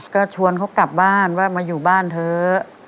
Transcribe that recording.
ก็ชวนเขากลับบ้านว่ามาอยู่บ้านเถอะ